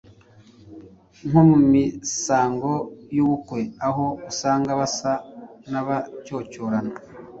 nko mu misango y’ubukwe aho usanga basa n’abacyocyorana;